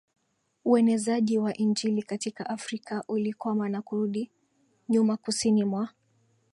uenezaji wa Injili katika Afrika ulikwama na kurudi nyuma Kusini mwa